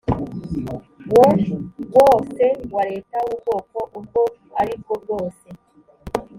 wo wose wa leta w ubwoko ubwo ari bwobwose